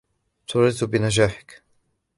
سُرِرتُ بنجاحِكَ.